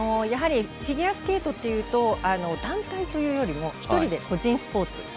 フィギュアスケートというと団体というよりも１人で個人スポーツ。